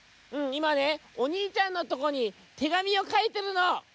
「うんいまねおにいちゃんのとこに手紙をかいてるの」。